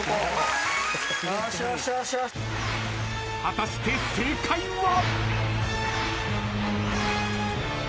［果たして正解は？］